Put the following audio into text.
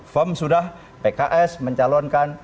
pem sudah pkb mencalonkan